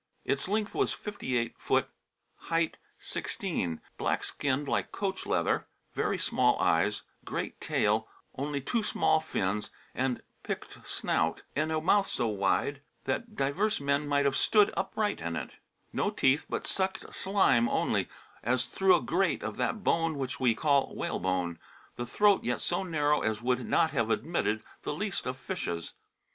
Its length was 58 foot, heighth 16 ; black skinn'd like coach leather, very small eyes, greate taile, onely two small finns, a picked snout, and a mouth so wide that divers men might have stood upright in it ; no teeth, but sucked slime onely as thro' a grate of that bone which we call whalebone, the throate yet so narrow as would not have admitted the least of fishes.